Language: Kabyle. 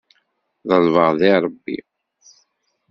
Ḍelbeɣ di Ṛebbi.